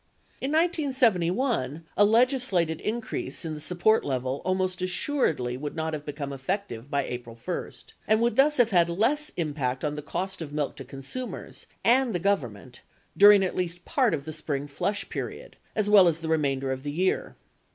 In 1971, a legislated increase in the support level almost assuredly would not have become effective by April 1 and would thus have had less impact on the cost of milk to consumers and the Government during at least part of the spring "flush period" as well as the remainder of the year.